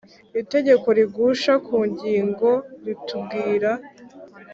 Itegeko rigusha ku ngingo ritubwira.